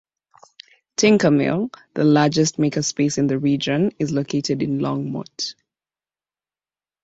TinkerMill, the largest makerspace in the region, is located in Longmont.